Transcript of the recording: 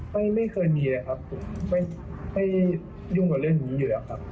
ไม่เคยมีเลยครับไม่ยุ่งกับเรื่องนี้อยู่แล้วครับ